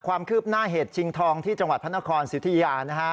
ความคืบหน้าเหตุชิงทองที่จังหวัดพระนครสิทธิยานะฮะ